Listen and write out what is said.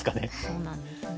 そうなんですね。